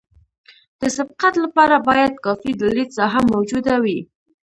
د سبقت لپاره باید کافي د لید ساحه موجوده وي